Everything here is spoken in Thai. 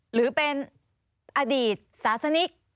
หรือเป็นอดีตศาสนิก